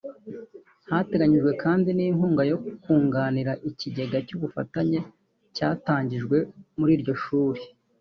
Hateganyijwe kandi n’inkunga yo kunganira ikigega cy’ubufatanye cyatangijwe muri iryo shuri